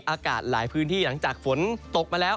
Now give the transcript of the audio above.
อากาศหลายพื้นที่หลังจากฝนตกมาแล้ว